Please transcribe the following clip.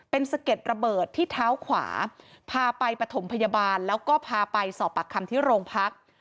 เป็นสะเก็ดระเบิดที่เท้าขวาพาไปปฐมพยาบาลแล้วก็พาไปสอบปากคำที่โรงพัก